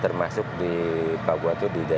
empat belas termasuk di paguatu di jawa tenggara